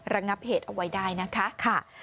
ระงับเหตุเอาไว้ได้นะคะ